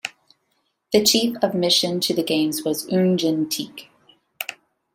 The Chief of mission to the games was Oon Jin Teik.